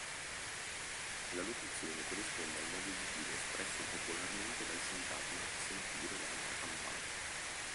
La locuzione corrisponde al modo di dire espresso popolarmente dal sintagma: "sentire l'altra campana".